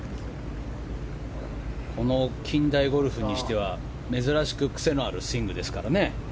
近代ゴルフにしては珍しく癖のあるスイングですね。